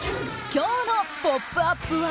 今日の「ポップＵＰ！」は。